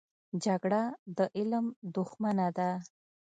جګړه د علم دښمنه ده